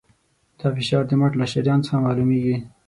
دا فشار د مټ له شریان څخه معلومېږي.